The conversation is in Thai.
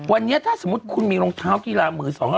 วันนี้ถ้าสมมุติคุณมีรองเท้ากีฬามือ๒๐๐